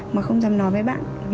mà không thầm nói với bạn